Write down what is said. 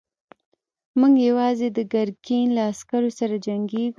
موږ يواځې د ګرګين له عسکرو سره جنګېږو.